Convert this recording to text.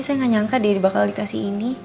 saya gak nyangka deh dibakar lagi kasih ini